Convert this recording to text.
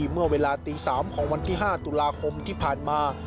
เมื่อเวลาตี๓ของวันที่๕ตุลาคมที่ผ่านมา